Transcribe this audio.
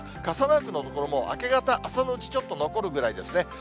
傘マークの所も、明け方、朝のうちちょっと残るぐらいですね。